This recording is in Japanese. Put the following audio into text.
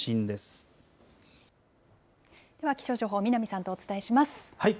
では、気象情報、南さんとお伝えします。